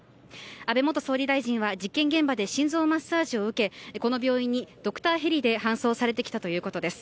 安倍元総理大臣は事件現場で心臓マッサージを受けこの病院にドクターヘリで搬送されてきたということです。